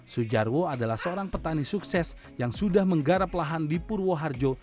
sujarwo adalah seorang petani sukses yang sudah menggarap lahan di purwoharjo